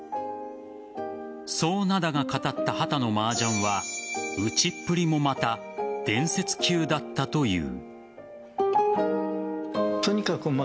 そう灘が語った畑の麻雀は打ちっぷりもまた伝説級だったという。